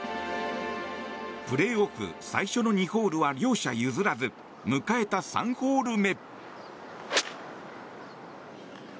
プレーオフ、最初の２ホールは両者譲らず迎えた３ホール目。